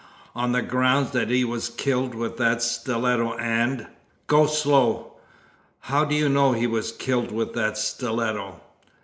"On the grounds that he was killed with that stiletto and " "Go slow! How do you know he was killed with that stiletto?"